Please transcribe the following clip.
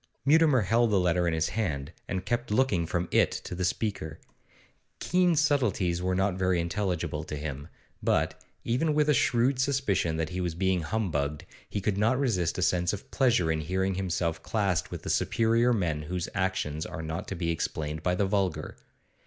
Mutimer held the letter in his hand, and kept looking from it to the speaker. Keene's subtleties were not very intelligible to him, but, even with a shrewd suspicion that he was being humbugged, he could not resist a sense of pleasure in hearing himself classed with the superior men whose actions are not to be explained by the vulgar.